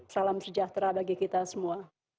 salam sejahtera bagi kita semua